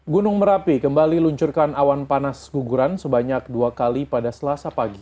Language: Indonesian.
gunung merapi kembali luncurkan awan panas guguran sebanyak dua kali pada selasa pagi